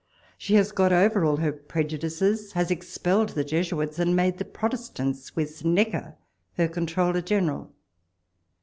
She has got over all her prejudices, has expelled the Jesuits, and made the Protestant Swiss, Necker, her Comptroller general.